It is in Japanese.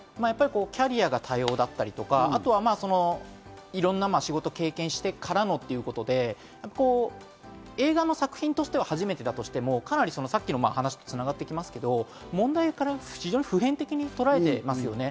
キャリアが多様だったり、いろんな仕事を経験してからのということで、映画の作品としては初めてだとしても、さっきの話と繋がってきますが、問題を普遍的にとらえてますよね。